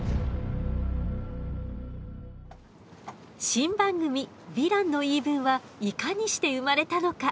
新番組「ヴィランの言い分」はいかにして生まれたのか。